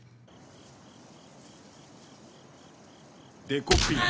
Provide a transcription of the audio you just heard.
デコピン。